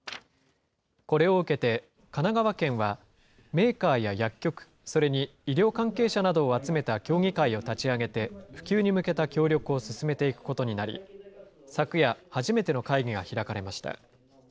これを受けて神奈川県は、メーカーや薬局、それに医療関係者などを集めた協議会を立ち上げて、普及に向けた協力を進めていくことになり、昨夜、初めての会議が開かれました。